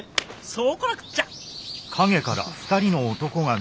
そうこなくっちゃ！